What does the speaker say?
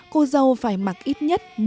cô dâu phải mặc ít nhất